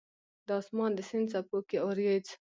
د اسمان د سیند څپو کې اوریځ